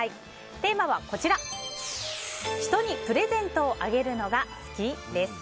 テーマは、人にプレゼントをあげるのが好き？です。